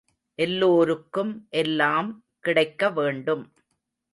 எல்லோருக்கும் எல்லாம் கிடைக்க வேண்டும்.